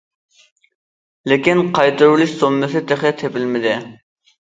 لېكىن قايتۇرۇۋېلىش سوممىسى تېخى تېپىلمىدى.